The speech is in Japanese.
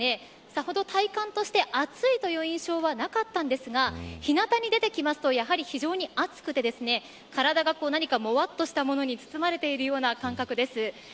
さほど体感として暑いという印象はなかったんですが日なたに出てくるとやはり非常に暑くて体が何かもわっとしたものに包まれているような感覚です。